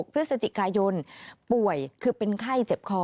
พฤศจิกายนป่วยคือเป็นไข้เจ็บคอ